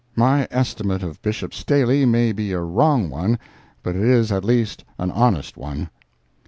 My estimate of Bishop Staley may be a wrong one, but it is at least an honest one.